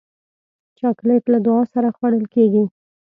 چاکلېټ له دعا سره خوړل کېږي.